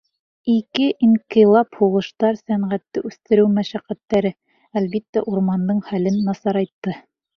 Ике инҡилап, һуғыштар, сәнәғәтте үҫтереү мәшәҡәттәре, әлбиттә, урмандың хәлен насарайтты.